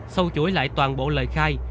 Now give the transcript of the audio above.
sau chuỗi lại toàn bộ lời khai